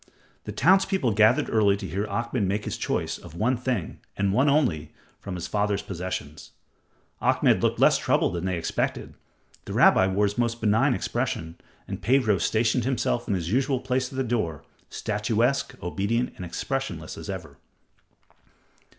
The townspeople gathered early to hear Ahmed make his choice of one thing and one only from his father's possessions. Ahmed looked less troubled than they expected, the rabbi wore his most benign expression, and Pedro stationed himself in his usual place at the door, statuesque, obedient, and expressionless as ever.